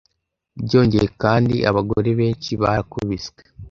Byongeye kandi abagore benshi barakubiswe